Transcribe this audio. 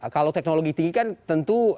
kalau teknologi tinggi kan tentu